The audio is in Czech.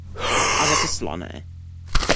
A zase slané.